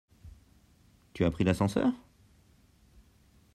Tu as pris l’ascenseur?